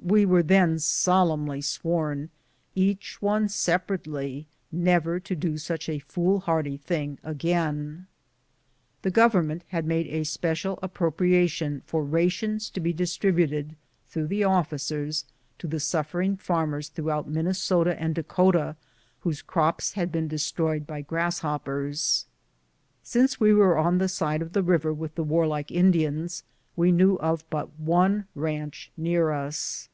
We were then solemnly sworn, each one separately, never to do such a foolhardy thing INDIAN DEPREDATIONS. 157 The Government had made a special appropriation for rations to be distributed, through the officers, to the suffering farmers throughout Minnesota and Dakota wliose crops had been destroyed by grasshoppers. As we were on the side of the river with the warlike Indi ans, we knew of but one ranch near us.